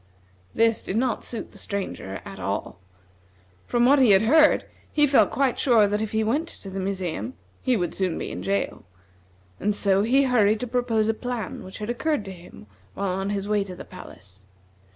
This did not suit the Stranger at all. From what he had heard he felt quite sure that if he went to the museum, he would soon be in jail; and so he hurried to propose a plan which had occurred to him while on his way to the palace.